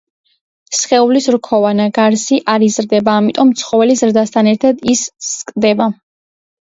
სხეულის რქოვანა გარსი არ იზრდება, ამიტომ ცხოველის ზრდასთან ერთად ის სკდება.